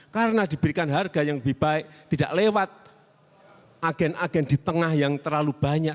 karena diberikan harga yang lebih baik tidak lewat agen agen di tengah yang terlalu banyak